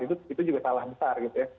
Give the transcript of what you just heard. itu juga salah besar gitu ya